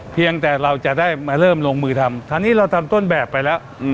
เพียงแต่เราจะได้มาเริ่มลงมือทำตอนนี้เราทำต้นแบบไปแล้ว